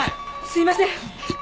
すいません。